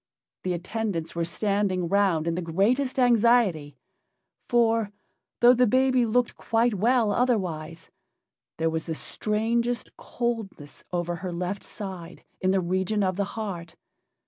The attendants were standing round in the greatest anxiety, for, though the baby looked quite well otherwise, there was the strangest coldness over her left side, in the region of the heart.